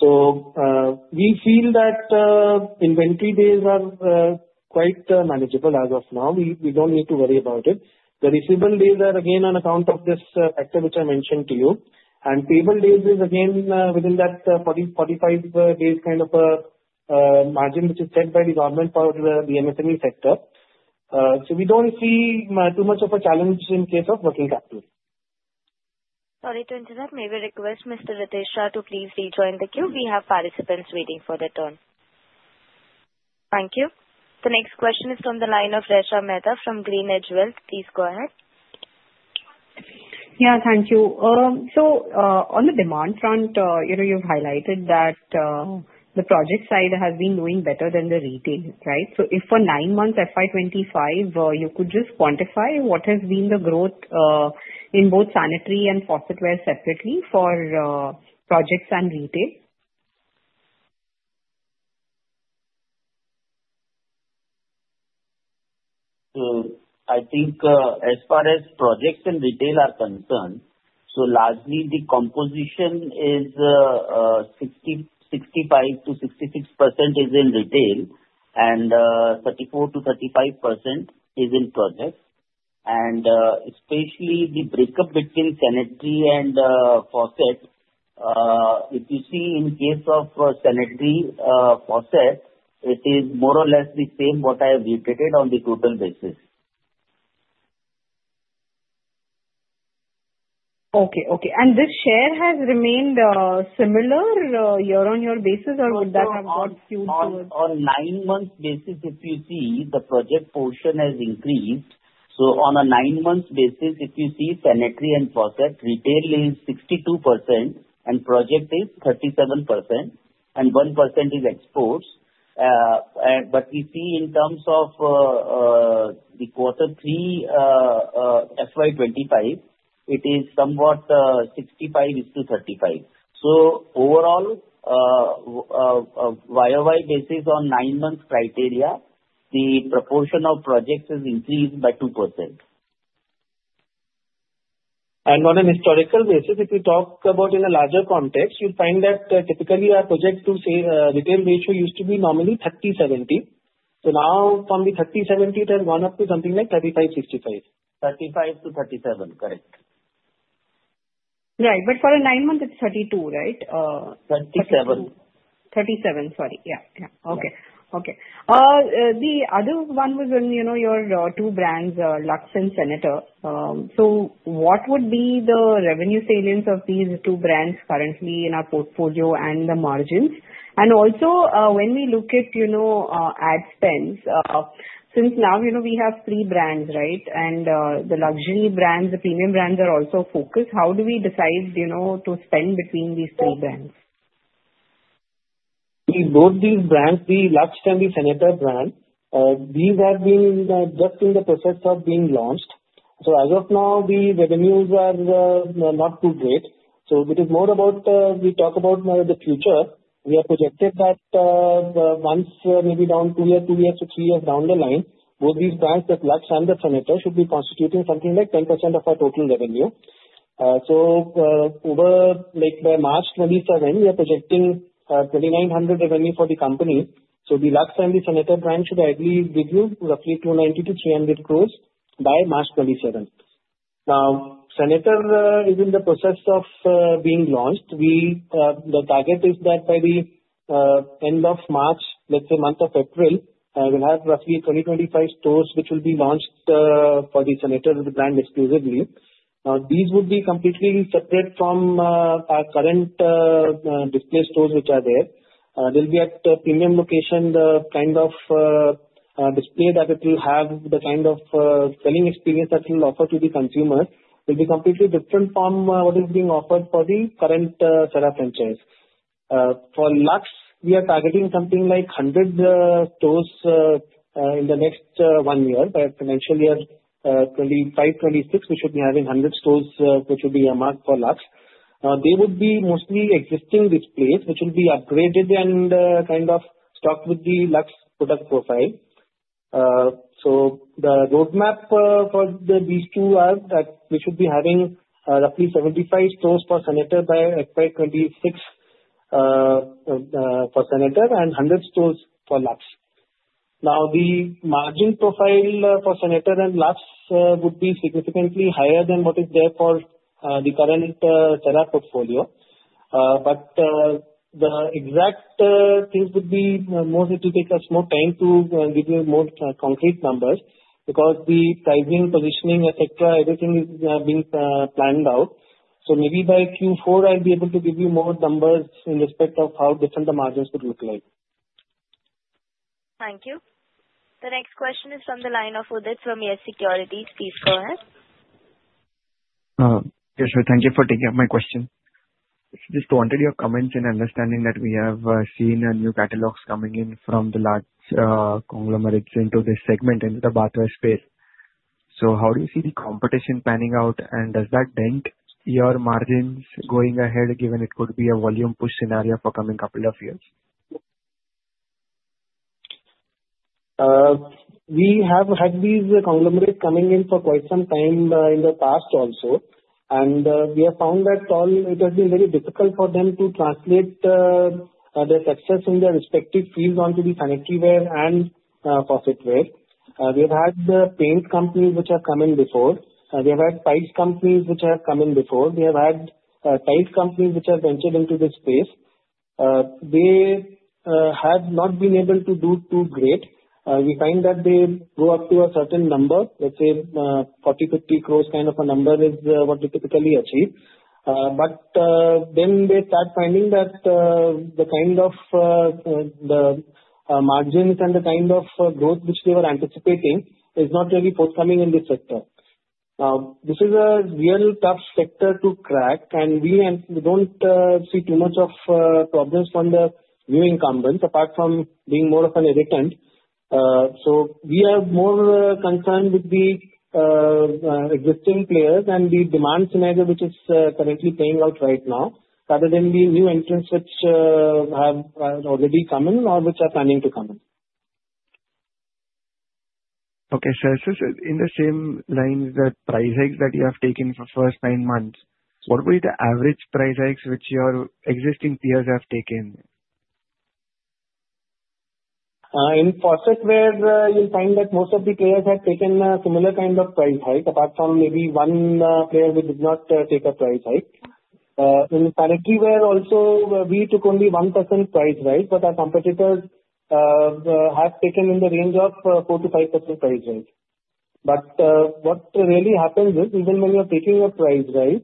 So we feel that inventory days are quite manageable as of now. We don't need to worry about it. The receivable days are again on account of this factor which I mentioned to you. And payable days is again within that 45 days kind of a margin which is set by the government for the MSME sector. So we don't see too much of a challenge in case of working capital. Sorry to interrupt. May we request Mr. Ritesh Shah to please rejoin the queue? We have participants waiting for their turn. Thank you. The next question is from the line of Resha Mehta from GreenEdge Wealth. Please go ahead. Yeah. Thank you. So on the demand front, you've highlighted that the project side has been doing better than the retail, right? So if for nine months FY25, you could just quantify what has been the growth in both sanitary and faucetware separately for projects and retail? I think as far as projects and retail are concerned, so largely the composition is 65%-66% is in retail and 34%-35% is in projects, and especially the breakup between sanitary and faucet, if you see in case of sanitary faucet, it is more or less the same what I have stated on the total basis. Okay. Okay. And this share has remained similar year-on-year basis, or would that have got skewed towards? On nine-month basis, if you see the project portion has increased. So on a nine-month basis, if you see sanitary and faucet, retail is 62% and project is 37%, and 1% is exports. But we see in terms of the quarter three FY25, it is somewhat 65%-35%. So overall, YOY basis on nine-month criteria, the proportion of projects has increased by 2%. And on a historical basis, if you talk about in a larger context, you'll find that typically our project to retail ratio used to be normally 30, 70. So now from the 30, 70, it has gone up to something like 35, 65. 35 to 37. Correct. Right. But for a nine-month, it's 32, right? 37. Sorry. Yeah. Okay. The other one was in your two brands, Luxe and Senator. So what would be the revenue salience of these two brands currently in our portfolio and the margins? And also, when we look at ad spends, since now we have three brands, right, and the luxury brands, the premium brands are also focused, how do we decide to spend between these three brands? Both these brands, the Lux and the Senator brand, these have been just in the process of being launched. As of now, the revenues are not too great. It is more about we talk about the future. We have projected that once maybe down two years, two years to three years down the line, both these brands, the Lux and the Senator, should be constituting something like 10% of our total revenue. By March 2027, we are projecting 2,900 crores revenue for the company. The Lux and the Senator brand should ideally give you roughly 290-300 crores by March 2027. Senator is in the process of being launched. The target is that by the end of March, let's say month of April, we'll have roughly 20-25 stores which will be launched for the Senator brand exclusively. Now, these would be completely separate from our current display stores which are there. They'll be at premium location kind of display that it will have the kind of selling experience that it will offer to the consumer. It will be completely different from what is being offered for the current Cera franchise. For Luxe, we are targeting something like 100 stores in the next one year. By financial year 25, 26, we should be having 100 stores which would be a mark for Luxe. Now, they would be mostly existing displays which will be upgraded and kind of stocked with the Luxe product profile. So the roadmap for these two are that we should be having roughly 75 stores for Senator by FY26 for Senator and 100 stores for Luxe. Now, the margin profile for Senator and Lux would be significantly higher than what is there for the current Cera portfolio. But the exact things would be more it will take us more time to give you more concrete numbers because the pricing, positioning, etc., everything is being planned out. So maybe by Q4, I'll be able to give you more numbers in respect of how different the margins could look like. Thank you. The next question is from the line of Udit from YES Securities. Please go ahead. Yes, sir. Thank you for taking up my question. Just wanted your comments in understanding that we have seen new catalogs coming in from the large conglomerates into this segment, into the bathware space. So how do you see the competition panning out, and does that dent your margins going ahead, given it could be a volume push scenario for coming couple of years? We have had these conglomerates coming in for quite some time in the past also, and we have found that it has been very difficult for them to translate their success in their respective fields onto the sanitaryware and faucetware. We have had paint companies which have come in before. We have had pipes companies which have come in before. We have had tile companies which have ventured into this space. They have not been able to do too great. We find that they go up to a certain number, let's say 40-50 crores kind of a number is what they typically achieve. But then they start finding that the kind of the margins and the kind of growth which they were anticipating is not really forthcoming in this sector. Now, this is a real tough sector to crack, and we don't see too much of problems from the new incumbents apart from being more of an irritant. So we are more concerned with the existing players and the demand scenario which is currently playing out right now rather than the new entrants which have already come in or which are planning to come in. Okay. So in the same line, the price hikes that you have taken for the first nine months, what were the average price hikes which your existing peers have taken? In faucetware, you'll find that most of the players have taken a similar kind of price hike apart from maybe one player which did not take a price hike. In sanitaryware also, we took only 1% price rise, but our competitors have taken in the range of 4%-5% price rise. But what really happens is even when you're taking a price rise,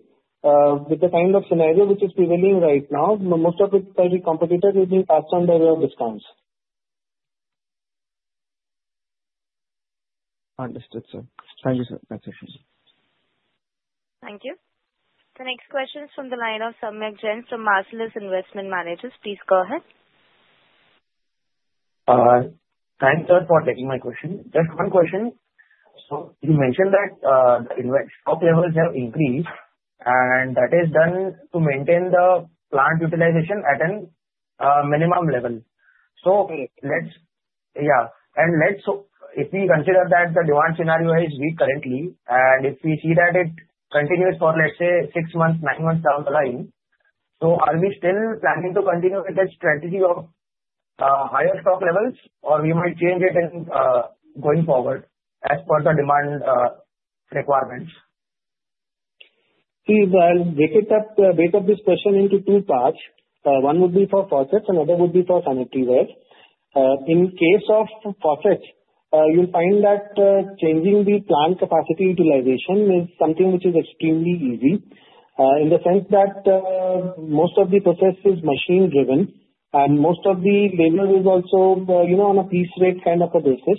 with the kind of scenario which is prevailing right now, most of the competitors will be passed on their way of discounts. Understood, sir. Thank you, sir. That's it. Thank you. The next question is from the line of Subhankar Ojha from Marcellus Investment Managers. Please go ahead. Thanks, sir, for taking my question. Just one question. So you mentioned that the stock levels have increased, and that is done to maintain the plant utilization at a minimum level. So yeah. And if we consider that the demand scenario is weak currently, and if we see that it continues for, let's say, six months, nine months down the line, so are we still planning to continue with that strategy of higher stock levels, or we might change it going forward as per the demand requirements? I'll break up this question into two parts. One would be for faucets, and the other would be for sanitaryware. In case of faucets, you'll find that changing the plant capacity utilization is something which is extremely easy in the sense that most of the process is machine-driven, and most of the labor is also on a piece rate kind of a basis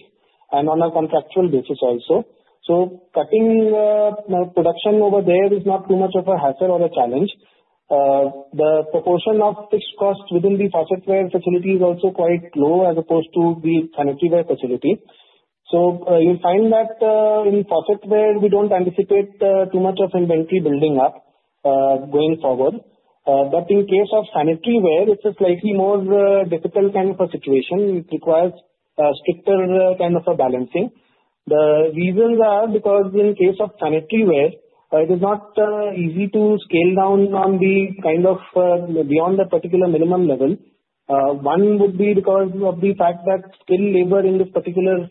and on a contractual basis also. So cutting production over there is not too much of a hassle or a challenge. The proportion of fixed costs within the faucetware facility is also quite low as opposed to the sanitaryware facility. So you'll find that in faucetware, we don't anticipate too much of inventory building up going forward. But in case of sanitaryware, it's a slightly more difficult kind of a situation. It requires stricter kind of a balancing. The reasons are because in case of sanitaryware, it is not easy to scale down on the kind of beyond the particular minimum level. One would be because of the fact that skilled labor in this particular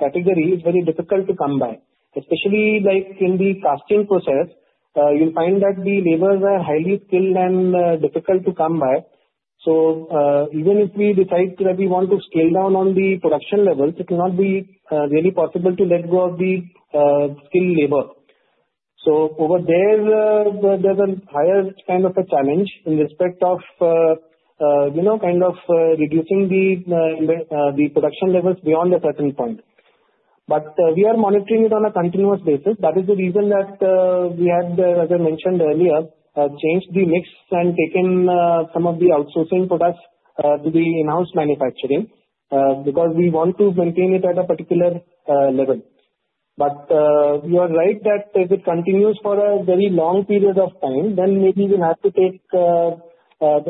category is very difficult to come by, especially in the casting process. You'll find that the laborers are highly skilled and difficult to come by. So even if we decide that we want to scale down on the production levels, it will not be really possible to let go of the skilled labor. So over there, there's a higher kind of a challenge in respect of kind of reducing the production levels beyond a certain point. But we are monitoring it on a continuous basis. That is the reason that we had, as I mentioned earlier, changed the mix and taken some of the outsourcing products to the in-house manufacturing because we want to maintain it at a particular level. But you are right that if it continues for a very long period of time, then maybe we'll have to take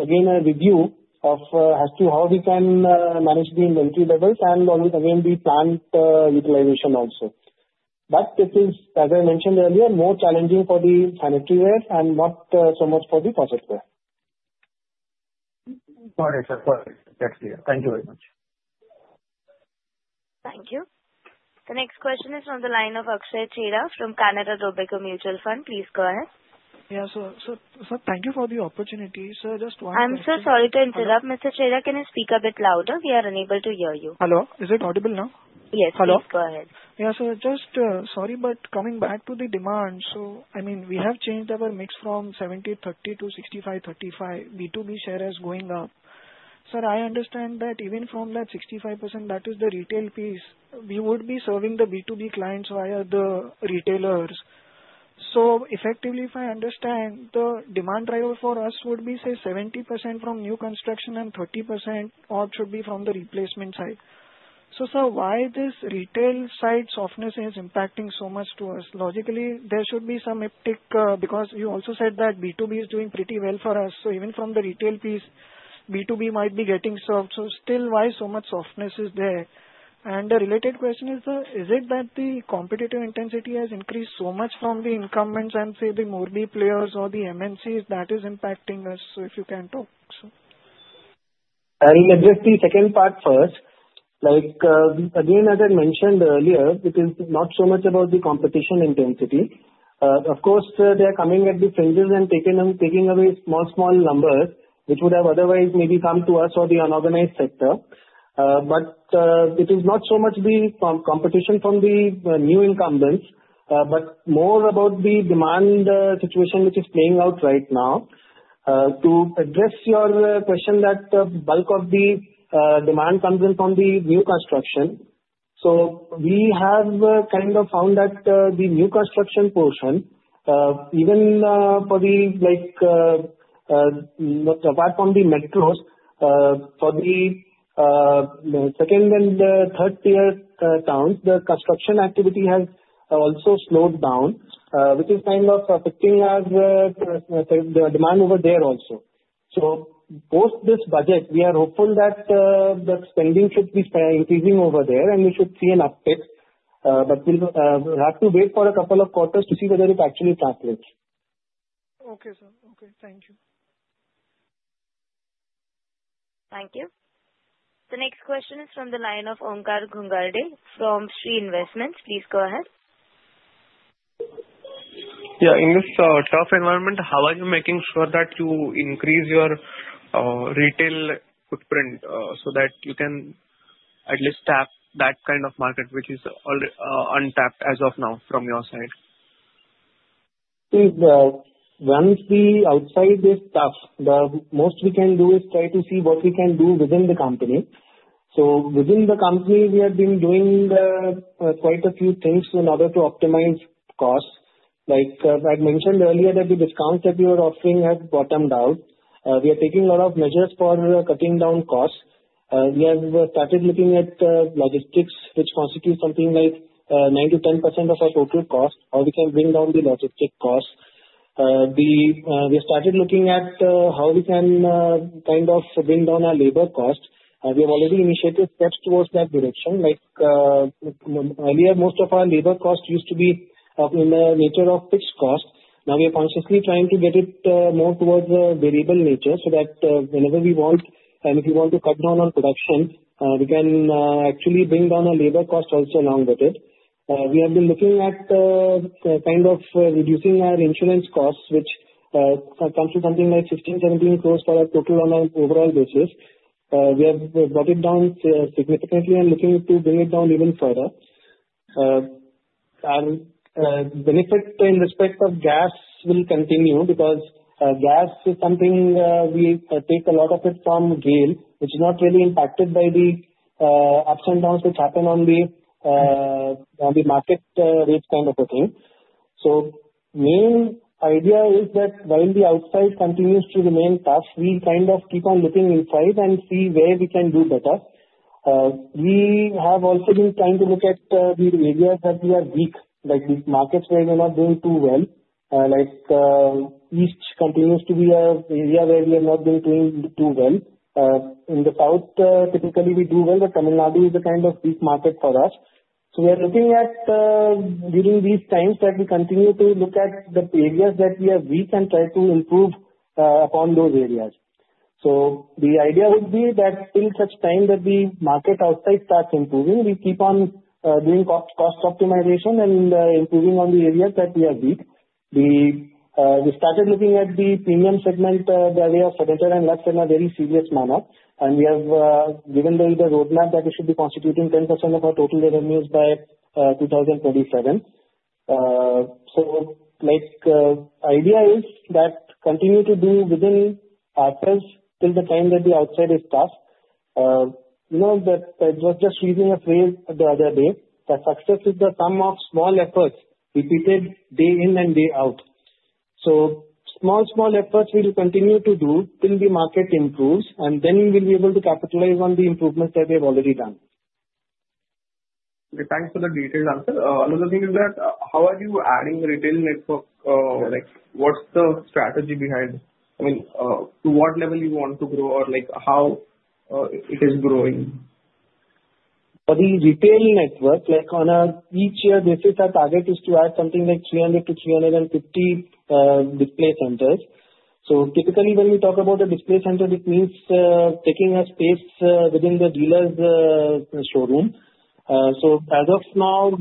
again a review as to how we can manage the inventory levels and again the plant utilization also. But this is, as I mentioned earlier, more challenging for the sanitaryware and not so much for the faucetware. All right, sir. Perfect. That's clear. Thank you very much. Thank you. The next question is from the line of Akshay Chheda from Canara Robeco Mutual Fund. Please go ahead. Yeah. So thank you for the opportunity. So just one question. I'm so sorry to interrupt. Mr. Chaudhary, can you speak a bit louder? We are unable to hear you. Hello? Is it audible now? Yes. Hello. Please go ahead. Yeah. So just sorry, but coming back to the demand, so I mean, we have changed our mix from 70%-30% to 65%-35%. B2B share is going up. So I understand that even from that 65%, that is the retail piece. We would be serving the B2B clients via the retailers. So effectively, if I understand, the demand driver for us would be, say, 70% from new construction and 30% should be from the replacement side. So why this retail side softness is impacting so much to us? Logically, there should be some uptick because you also said that B2B is doing pretty well for us. So even from the retail piece, B2B might be getting served. So still, why so much softness is there? And the related question is, is it that the competitive intensity has increased so much from the incumbents and, say, the Morbi players or the MNCs that is impacting us? So if you can talk, sir. I'll address the second part first. Again, as I mentioned earlier, it is not so much about the competition intensity. Of course, they are coming at the fringes and taking away small, small numbers which would have otherwise maybe come to us or the unorganized sector. But it is not so much the competition from the new incumbents, but more about the demand situation which is playing out right now. To address your question, that bulk of the demand comes in from the new construction. So we have kind of found that the new construction portion, even apart from the metros, for the second- and third-tier towns, the construction activity has also slowed down, which is kind of affecting the demand over there also. So post this budget, we are hopeful that the spending should be increasing over there, and we should see an uptick. But we'll have to wait for a couple of quarters to see whether it actually translates. Okay, sir. Okay. Thank you. Thank you. The next question is from the line of Omkar Ghugardare from Shree Investments. Please go ahead. Yeah. In this tough environment, how are you making sure that you increase your retail footprint so that you can at least tap that kind of market which is untapped as of now from your side? Please, once the outside is tough, the most we can do is try to see what we can do within the company. So within the company, we have been doing quite a few things in order to optimize costs. Like I mentioned earlier, the discounts that we were offering have bottomed out. We are taking a lot of measures for cutting down costs. We have started looking at logistics, which constitutes something like 9%-10% of our total cost, how we can bring down the logistic costs. We started looking at how we can kind of bring down our labor cost. We have already initiated steps towards that direction. Earlier, most of our labor cost used to be in the nature of fixed cost. Now, we are consciously trying to get it more towards a variable nature so that whenever we want, and if we want to cut down on production, we can actually bring down our labor cost also along with it. We have been looking at kind of reducing our insurance costs, which comes to something like 15-17 crores for our total on an overall basis. We have brought it down significantly and looking to bring it down even further. The benefit in respect of gas will continue because gas is something we take a lot of it from GAIL, which is not really impacted by the ups and downs which happen on the market rates kind of a thing. So the main idea is that while the outside continues to remain tough, we kind of keep on looking inside and see where we can do better. We have also been trying to look at the areas that we are weak, like these markets where we are not doing too well. East continues to be an area where we are not doing too well. In the south, typically, we do well, but Tamil Nadu is a kind of weak market for us. So we are looking at, during these times, that we continue to look at the areas that we are weak and try to improve upon those areas. So the idea would be that in such time that the market outside starts improving, we keep on doing cost optimization and improving on the areas that we are weak. We started looking at the premium segment, the area of sanitary and luxury, in a very serious manner. And we have given the roadmap that we should be constituting 10% of our total revenues by 2027. So the idea is that continue to do within ourselves till the time that the outside is tough. It was just reading a phrase the other day that success is the sum of small efforts repeated day in and day out. So small, small efforts we will continue to do till the market improves, and then we will be able to capitalize on the improvements that we have already done. Okay. Thanks for the detailed answer. Another thing is that how are you adding the retail network? What's the strategy behind? I mean, to what level you want to grow or how it is growing? For the retail network, on an each year basis, our target is to add something like 300-350 display centers. So typically, when we talk about a display center, it means taking a space within the dealer's showroom. So as of now,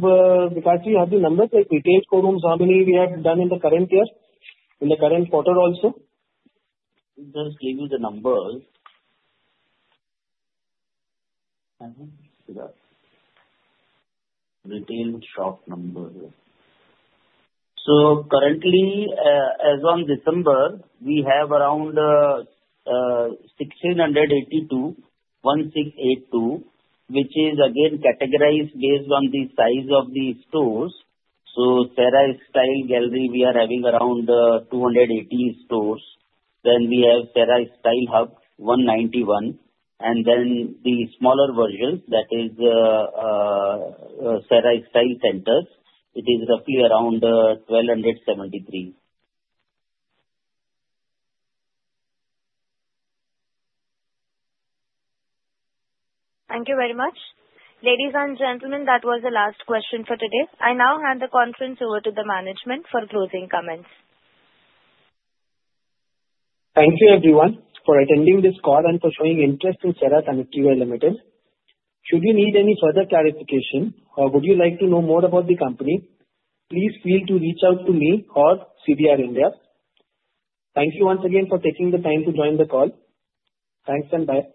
because we have the numbers, like retail showrooms, how many we have done in the current year, in the current quarter also. Just give you the numbers. Retail shop number. So currently, as of December, we have around 1,682, 1,682, which is again categorized based on the size of the stores. So Cera Style Gallery, we are having around 280 stores. Then we have Cera Style Hub, 191. And then the smaller versions, that is Cera Style Centers, it is roughly around 1,273. Thank you very much. Ladies and gentlemen, that was the last question for today. I now hand the conference over to the management for closing comments. Thank you, everyone, for attending this call and for showing interest in Cera Sanitaryware Limited. Should you need any further clarification or would you like to know more about the company, please feel free to reach out to me or CDR India. Thank you once again for taking the time to join the call. Thanks and bye.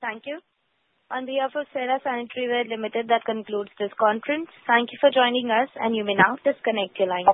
Thank you. On behalf of Cera Sanitaryware Limited, that concludes this conference. Thank you for joining us, and you may now disconnect your line.